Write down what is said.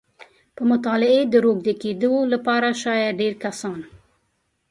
په مطالعې د روږدي کېدو لپاره شاید ډېری کسان